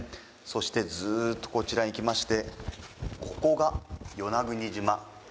そしてずっとこちらに来ましてここが与那国島。